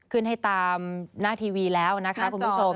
ขึ้นให้ตามหน้าทีวีแล้วนะคะคุณผู้ชม